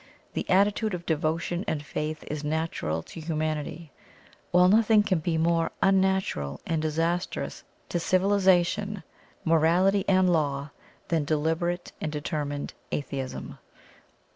The attitude of devotion and faith is natural to Humanity, while nothing can be more UNnatural and disastrous to civilization, morality and law, than deliberate and determined Atheism.